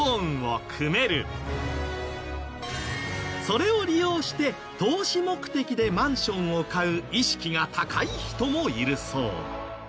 それを利用して投資目的でマンションを買う意識が高い人もいるそう。